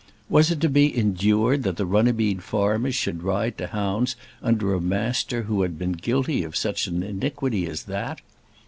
Was it to be endured that the Runnymede farmers should ride to hounds under a Master who had been guilty of such an iniquity as that?